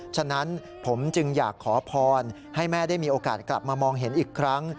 ฉะนั้นผมจึงอยากขอพรให้แม่ได้มีโอกาสกลับมามองเห็นอีกครั้ง